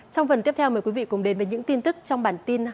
trong phần tiếp theo mời quý vị cùng đến với những tin tức trong bản tin